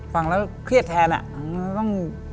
ฟังแล้วเครียดแทนอ่ะต้อง